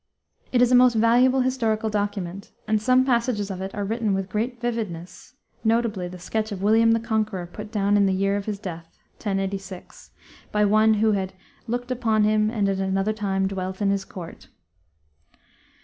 It is a most valuable historical monument, and some passages of it are written with great vividness, notably the sketch of William the Conqueror put down in the year of his death (1086) by one who had "looked upon him and at another time dwelt in his court."